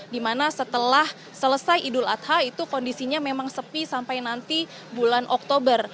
dimana setelah selesai idul adha itu kondisinya memang sepi sampai nanti bulan oktober